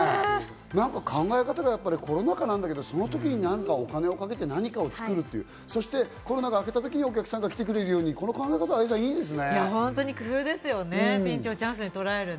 なんか考え方が、やっぱりコロナ禍なんだけど、その時に何かお金をかけて何かを作る、そしてコロナがあけた時にお客さんが来てくれるように、この考え方いいですよね。